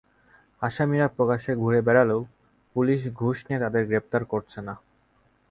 আসামিরা প্রকাশ্যে ঘুরে বেড়ালেও পুলিশ ঘুষ নিয়ে তাদের গ্রেপ্তার করছে না।